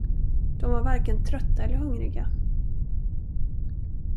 De var varken trötta eller hungriga.